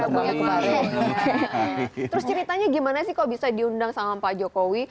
terus ceritanya gimana sih kok bisa diundang sama pak jokowi